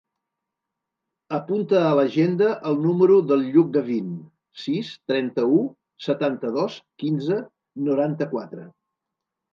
Apunta a l'agenda el número del Lluc Gavin: sis, trenta-u, setanta-dos, quinze, noranta-quatre.